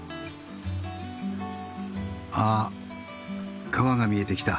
あっ川が見えてきた。